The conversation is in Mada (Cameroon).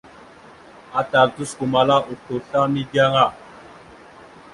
Atal tosəkomala oslo asla mideŋ a.